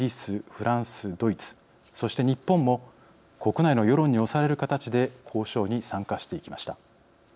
フランスドイツそして日本も国内の世論に押される形で交渉に参加していきました。